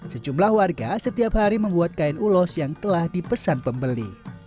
sejumlah warga setiap hari membuat kain ulos yang telah dipesan pembeli